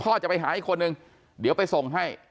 จะไปหาอีกคนนึงเดี๋ยวไปส่งให้